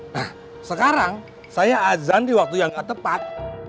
nah sekarang saya ajan di waktu yang nggak tepat